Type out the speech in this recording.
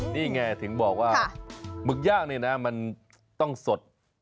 นี่ไงถึงบอกว่ามะยากมันต้องสด